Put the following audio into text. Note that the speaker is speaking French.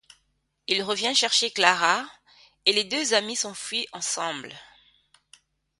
Il revient chercher Clara, et les deux amis s'enfuient ensemble.